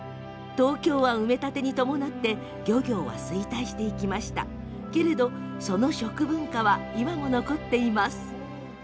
東京湾埋め立てに伴い漁業は衰退していきましたがその食文化は今も残っています。